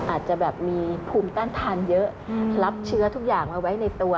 อาจจะแบบมีภูมิต้านทานเยอะรับเชื้อทุกอย่างมาไว้ในตัว